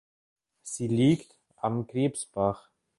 Sie liegt am Krebsbach.